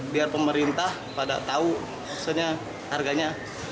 biar pemerintah pada tahu harganya